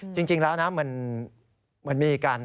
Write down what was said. จริงแล้วนะมันมีการ